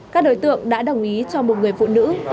các đối tượng đã đồng ý cho một người phụ nữ